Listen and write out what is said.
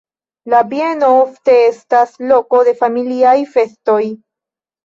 La bieno ofte estas loko de familiaj festoj.